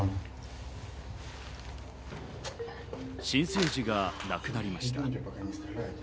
新生児が亡くなりました。